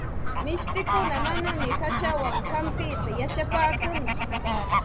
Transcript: Mishtikuna manam hachawan hampita yachapaakunchu.